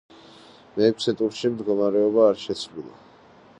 მეექვსე ტურში მდგომარეობა არ შეცვლილა.